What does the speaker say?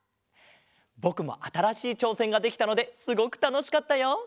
ぼくもあたらしいちょうせんができたのですごくたのしかったよ。